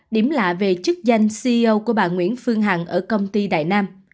điểm lạ về chức danh ceo của bà nguyễn phương hằng ở công ty đại nam